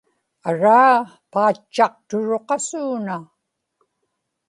araa, paatchaqturuq asuuna